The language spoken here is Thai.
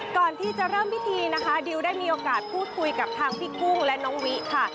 ก่อนที่จะเริ่มพิธีนะคะดิวได้มีโอกาสพูดคุยกับทางพี่กุ้งและน้องวิค่ะ